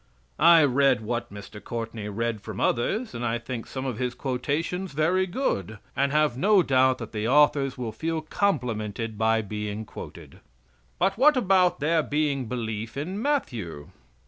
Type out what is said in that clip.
"I read what Mr. Courtney read from others, and think some of his quotations very good; and have no doubt that the authors will feel complimented by being quoted." "But what about there being belief in Matthew?"